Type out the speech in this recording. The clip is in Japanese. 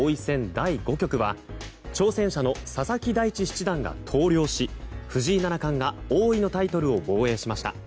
第５局は挑戦者の佐々木大地七段が投了し藤井七冠が王位のタイトルを防衛しました。